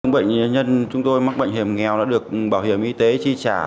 bệnh nhân chúng tôi mắc bệnh hiểm nghèo đã được bảo hiểm y tế chi trả